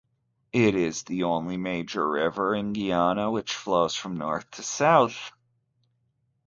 It is the only major river in Guyana which flows from North to South.